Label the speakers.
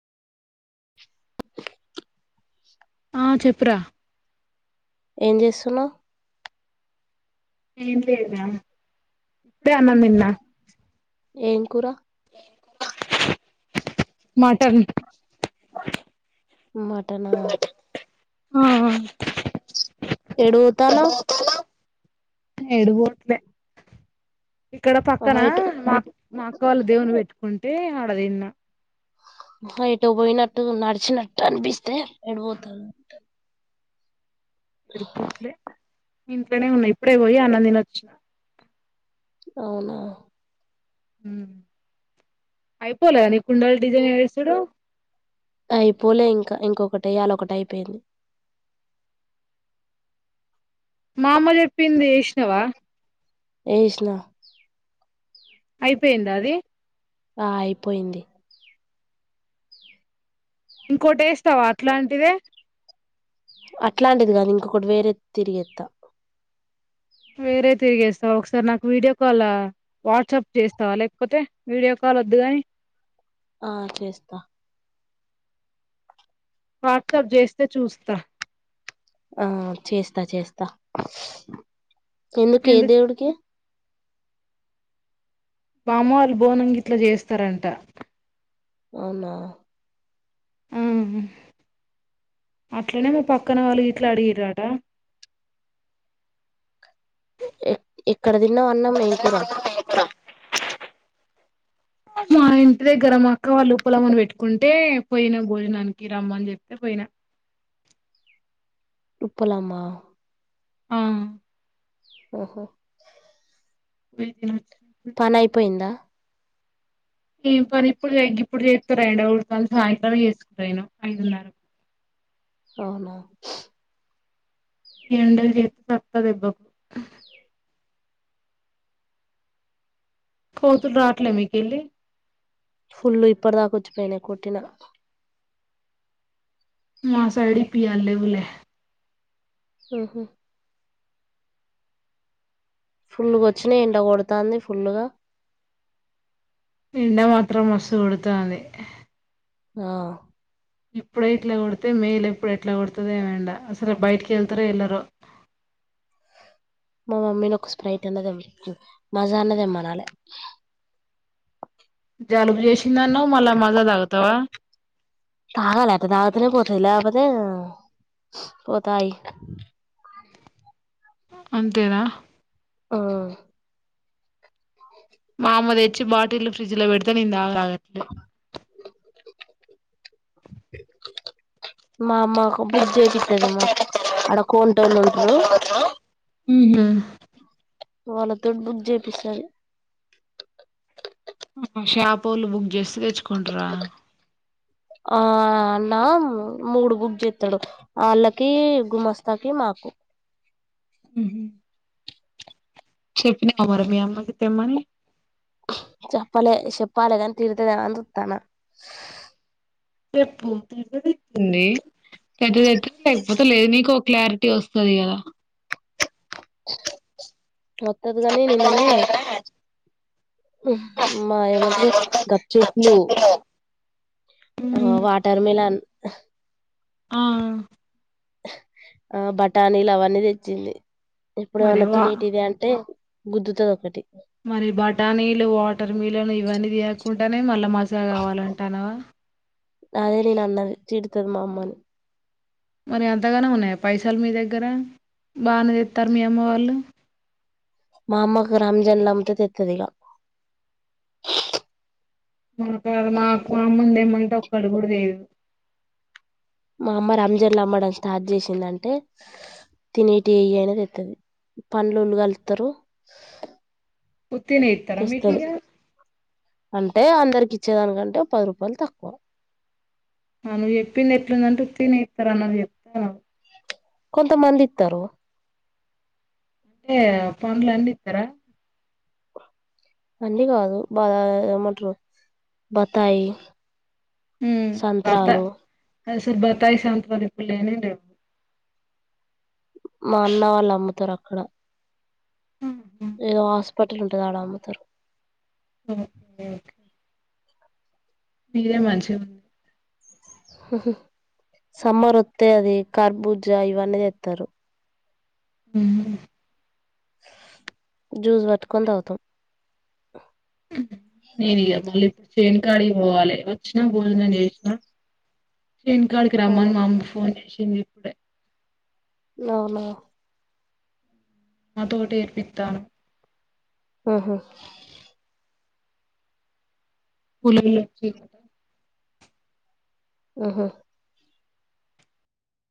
Speaker 1: ఆ చెప్పురా
Speaker 2: ఏం చేస్తున్నావు
Speaker 1: ఏ లేద ఇప్పుడే అన్నం తిన్న
Speaker 2: ఏం కూర
Speaker 1: మటన్
Speaker 2: మటనా
Speaker 1: ఆ
Speaker 2: ఏడు పోతనవ్
Speaker 1: ఏడు పోట్లే ఇక్కడ పక్కన
Speaker 2: ఆహా ఎటు
Speaker 1: మా మా అక్క వాళ్ళు దేవుని పెట్టుకుంటే ఆడ తిన్న
Speaker 2: ఇటో పోయినట్టు నడిచినట్టు అనిపిస్తే ఏడిపోతారు అ
Speaker 1: ఎదురుట్లే ఇంట్లోనే ఉన్నాయి ఇప్పుడే పోయి అన్నం తినొచ్చిన
Speaker 2: అవునా
Speaker 1: యిపోలే కుండలు డిజైన్ ఏసుడు
Speaker 2: అయిపోలే ఇంకా ఇంకొకటి ఏయలే ఒకటి అయిపోయింది
Speaker 1: మా అమ్మ చెప్పింది ఏసినవా
Speaker 2: ఎసినా
Speaker 1: అయిపోయిందా అది
Speaker 2: ఆ అయిపోయింది
Speaker 1: ఇంకోటి ఏస్తావ అట్లాంటిదే
Speaker 2: అట్లాంటిది కాదు ఇంకొకటి వేరే తిరిగేత్త
Speaker 1: వేరే తిరిగేస్తావా ఒకసారి నాకు వీడియో కాల్ వాట్సాప్ చేస్తావ లేకపోతే వీడియో కా కాల్ వద్దు గాని
Speaker 2: ఆ చేస్త
Speaker 1: వాట్సాప్ చేస్తే చూస్త
Speaker 2: ఆ చేస్త చేస్త ఎందుకు ఏ దేవుడికి
Speaker 1: మా అమ్మ వాళ్ళు బోనంగిట్లా చేస్తారంట
Speaker 2: అవునా
Speaker 1: హు అట్లనే మా పక్కన వాళ్ళు ఇట్లా అడిగిరాట
Speaker 2: ఎక్కడ తిన్నావ్ అన్నాం ఏ కూర
Speaker 1: మా ఇంటి దగ్గర మా అక్క వాళ్ళు ఉ పలమని పెట్టుకుంటే పోయిన భోజనానికి రమ్మని చెప్తే పోయిన
Speaker 2: [unintelligible]
Speaker 1: ఆ
Speaker 2: ఒహో
Speaker 1: వజిన
Speaker 2: పని అయిపోయిందా
Speaker 1: ఏం పని ఇప్పుడు ఇప్పుడు చేస్తారూ అడి కాళ సాయంత్రం చేసుకుంటాను ఐదున్నరకు
Speaker 2: అవునా
Speaker 1: [unintelligible] కోతులు రాట్లే మీకెళ్ళి
Speaker 2: ఫుల్లు ఇప్పటి దాకొచ్చిపోయినాయి కొట్టిన
Speaker 1: మా సైడ్ ఇప్పుడు యాడ లేవులే
Speaker 2: హు హు ఫుల్లుగ వచ్చినయీ ఎండ కొడుతంది ఫుల్లుగా
Speaker 1: ఎండ మాత్రం మస్తు కొడతాంది
Speaker 2: ఆ
Speaker 1: ఇప్పుడ ఎట్ల కొడితే మేయిల్ ఎప్పుడు ఎట్లా కొడుతుద ఏమండ అసలు బయటికి వెళ్తార ఎల్లరో
Speaker 2: మా మమ్మీని ఒక స్ప్రైట్ అన్నది మజ అన్నదేమనాలే
Speaker 1: జలుబు చేసింది అనవు మల్ల మజా తాగుతావా
Speaker 2: తాగల ఆటా తాగితేనే పోతది లేకపోతే పోతాయి
Speaker 1: అంతేనా
Speaker 2: ఆ
Speaker 1: మా అమ్మ తెచ్చి బటిల్ ఫ్రిడ్జ్ లో పెడుతే నేను తగను అట్లుంటాయి
Speaker 2: మా అమ్మకు బుక్ చేయిస్తుదమ మా అడ కోన్ంటోళ్ళ ఉంటారు
Speaker 1: హహ
Speaker 2: వాళ్ళతోటీ బుక్ చేపిస్తాది
Speaker 1: షాపోలు బుక్ చేస్తే తెచ్చుకుంట్రా
Speaker 2: ఆ అన్న మూడు బుగ్ చెస్తాడు వాళ్ళకి గుమస్తాకి మాకు
Speaker 1: అ చెప్పినావ మరి మీ అమ్మకి తెమ్మని
Speaker 2: చెప్పాల చెప్పాలగ కానీ తిడతాది అని చుట్టన
Speaker 1: చెప్పుంది పెద్దట్ లేకపో [inaudible] లేదు నీకు క్లారిటీ వస్తుంది కదా
Speaker 2: అత్తది కానీ నిన్ననే మాయమంట గాప్చప్లు ఆ వాటర్మిలన్
Speaker 1: ఆ
Speaker 2: ఆ బటానీలు అవన్నీ తెచ్చింది ఎప్పుడు
Speaker 1: మరి
Speaker 2: ఏమన్నా
Speaker 1: వా
Speaker 2: తినేటివి తే అంటే గుద్దుతది ఒకటి
Speaker 1: మరి బఠానీలు వాటర్ మిల్లలు ఇవన్నీ తినకుండానే మళ్ళ మజా కావాలంటానావా
Speaker 2: అదే నేను అన్నది తిడుతుంది మా అమ్మ
Speaker 1: మరి అంతగాన ఉన్నాయి పైసాలు మీ దగ్గర బాగానే తెస్తారు మీ అమ్మ వాళ్ళు
Speaker 2: మా అమ్మ ఇగ రమజాన్ లో అంత తెత్తడి ఇగ
Speaker 1: మా కా మాకు అమ్మంది తేమంటే ఒకటి కూడా తేదూ
Speaker 2: మా అమ్మ రంజన్లు అమ్మడం స్టార్ట్ చేసిందంటే తినేటి ఏయి అయినేది తెత్తారు పండ్లు కలుతారు
Speaker 1: ఉత్తిగ ఇస్తారా మీకు ఇగ
Speaker 2: అంటే అందరికి ఇచ్చేదానికంటే పది రూపాయలు తక్కువ
Speaker 1: ఆ నువ్వు చెప్పింది ఎట్లుందంటే ఉత్తిగనే ఇస్తార అన్నటు చెపినవ్
Speaker 2: కొంత మంది ఇత్తారు
Speaker 1: అంటే పండ్ల అన్ని ఇస్తారా
Speaker 2: అన్ని కాదు బా ఏమంటారు బత్తాయి సంత్రాలు
Speaker 1: లేని లేవు [inaudible]
Speaker 2: మా అన్న వాళ్ళు అమ్ముతారు అక్కడ ఏదో హాస్పిటల్ ఉంట కదా అమ్ముతారు
Speaker 1: ఓకేఓకే మీరే మంచిగా ఉంది
Speaker 2: సమ్మర్ వస్తే అది కర్బూజ ఇవన్నీది ఎస్తారు
Speaker 1: అ
Speaker 2: జ్యూస్ పట్టుకొని తాగుతం
Speaker 1: [inaudible] కాడికి పోవాలి వచ్చిన భోజనం చేసిన చేను కాడికి రమ్మని
Speaker 2: అవును
Speaker 1: మామ ఫోన్ చేసి ఇ ఇప్పుడ
Speaker 2: అవునా
Speaker 1: అదోటి ఏర్పిత్తరు
Speaker 2: ఓహో
Speaker 1: [unintelligible]
Speaker 2: ఓహో